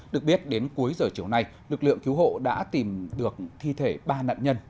được biết đến cuối giờ chiều nay lực lượng cứu hộ đã tìm được thi thể ba nạn nhân